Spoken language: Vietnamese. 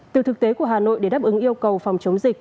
từ thực tế của hà nội để đáp ứng yêu cầu phòng chống dịch